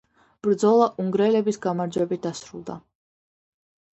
ბრძოლა უნგრელების გამარჯვებით დასრულდა.